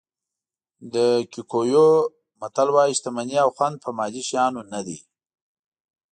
د کیکویو متل وایي شتمني او خوند په مادي شیانو نه دي.